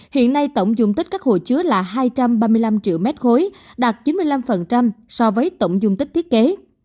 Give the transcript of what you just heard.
hiện nay tổng dung tích các hồ chứa là hai trăm ba mươi năm triệu m ba đạt chín mươi năm so với tổng dung tích thiết kế